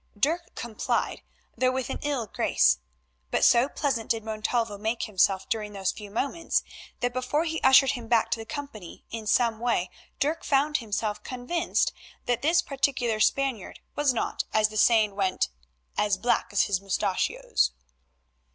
Dirk complied, though with an ill grace, but so pleasant did Montalvo make himself during those few minutes, that before he ushered him back to the company in some way Dirk found himself convinced that this particular Spaniard was not, as the saying went, "as black as his mustachios."